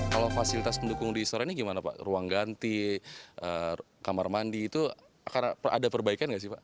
kalau fasilitas pendukung di istora ini gimana pak ruang ganti kamar mandi itu akan ada perbaikan nggak sih pak